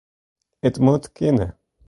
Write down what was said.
It moat kinne.